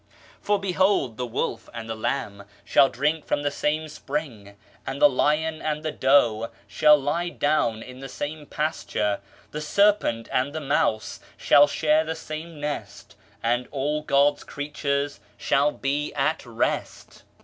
For behold the wolf and the lamb shall drink from the same spring, and the lion and the doe shall lie down in the same pasture, the serpent and the mouse shall share the same nest, and all God's creatures shall be at rest.